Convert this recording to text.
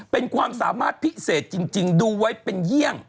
เป็นความสามารถพิเศษจริงดูไว้เป็นเยี่ยง